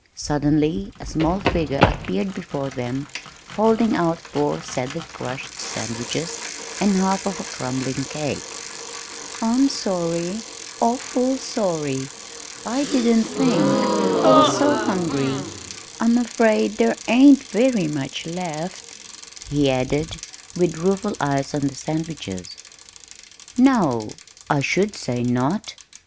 Suddenly a small figure appeared before them holding out four sadly crushed sandwiches and half of a crumbling cake. "I'm sorry awful sorry! I didn't think I was so hungry. I'm afraid there ain't very much left," he added, with rueful eyes on the sandwiches. "No, I should say not!"